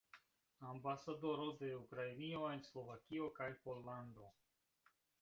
Ambasadoro de Ukrainio en Slovakio kaj Pollando.